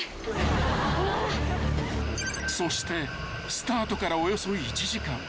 ［そしてスタートからおよそ１時間］